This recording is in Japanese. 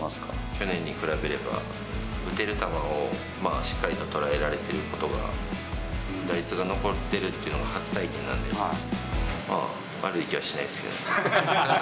去年に比べれば、打てる球を、まあしっかりと捉えられていることが、打率が残ってるっていうのが初体験なんで、まあ、悪い気はしないですけどね。